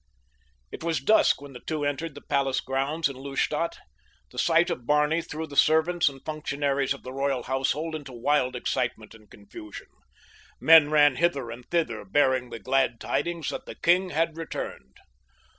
It was dusk when the two entered the palace grounds in Lustadt. The sight of Barney threw the servants and functionaries of the royal household into wild excitement and confusion. Men ran hither and thither bearing the glad tidings that the king had returned.